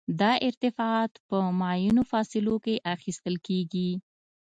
دا ارتفاعات په معینو فاصلو کې اخیستل کیږي